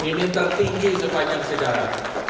ini tertinggi sepanjang sejarah